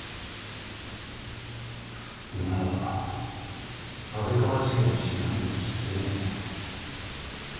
お前は安倍川事件の真犯人を知っているんじゃないのか。